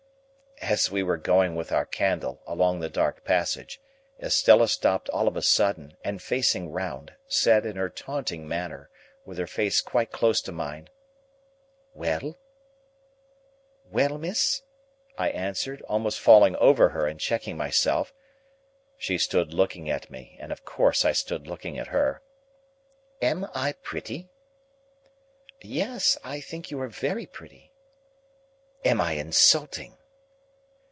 As we were going with our candle along the dark passage, Estella stopped all of a sudden, and, facing round, said in her taunting manner, with her face quite close to mine,— "Well?" "Well, miss?" I answered, almost falling over her and checking myself. She stood looking at me, and, of course, I stood looking at her. "Am I pretty?" "Yes; I think you are very pretty." "Am I insulting?"